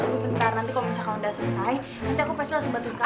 cukup bentar nanti kalau udah selesai nanti aku pasti langsung bantuin kak